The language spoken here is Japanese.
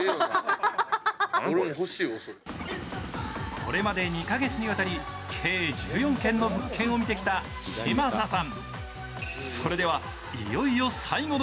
これまで２カ月にわたり計１４件の物件を見てきた嶋佐さん。